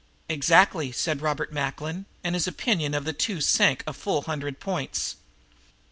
"Exactly," said Robert Macklin. And his opinion of the two sank a full hundred points.